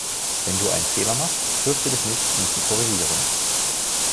Wenn du einen Fehler machst, fürchte dich nicht, ihn zu korrigieren.